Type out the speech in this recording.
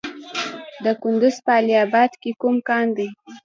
د کندز په علي اباد کې کوم کان دی؟